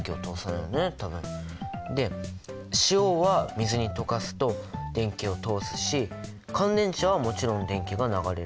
で塩は水に溶かすと電気を通すし乾電池はもちろん電気が流れる。